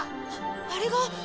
あれが。